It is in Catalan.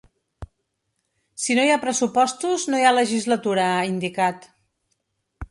Si no hi ha pressupostos no hi ha legislatura, ha indicat.